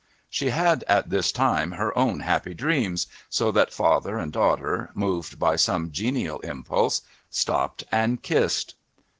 She had, at this time, her own happy dreams, so that father and daughter, moved by some genial impulse, stopped and kissed.